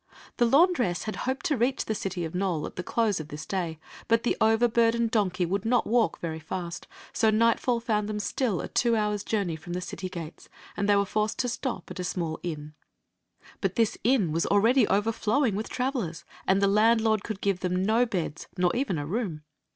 The laundress had hoped to reach the city of Nole at the close of this day ; but the overburdened donkey would not walk very fast, so nightfall found them still a two hours' journey from the city gates, and they were forced to stop at a small inn. But this inn was already overflowing with travel ers, and the landlord could give them no beds, nor even a room.